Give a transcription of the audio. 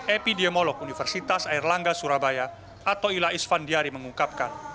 epidemolog universitas airlangga surabaya atoila isfandiari mengungkapkan